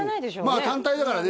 まあ単体だからね